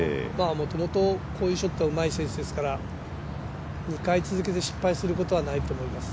もともとこういうショットがうまい選手ですから２回続けて失敗することはないと思います。